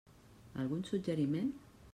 Algun suggeriment?